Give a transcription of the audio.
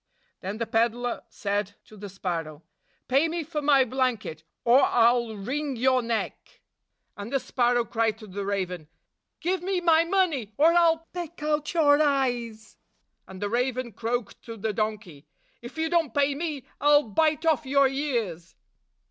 " Then the peddler said to the sparrow, "Pay me for my blanket, or I 'll wring your neck !" 70 And the sparrow cried to the raven, "Give me my money, or I 'll peck out your eyes!" And the raven croaked to the donkey, "If you don't pay me, I 'll bite off your ears!